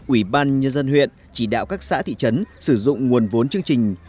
ủy ban nhân dân huyện chỉ đạo các xã thị trấn sử dụng nguồn vốn chương trình